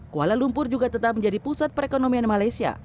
kuala lumpur juga tetap menjadi pusat perekonomian malaysia